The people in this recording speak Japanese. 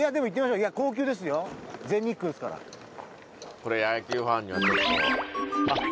これ野球ファンにはちょっと。